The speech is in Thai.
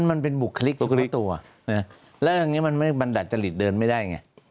มันเป็นบุคลิกบุคลิกตัวแล้วอย่างนี้มันบรรดัดจริตเดินไม่ได้ไง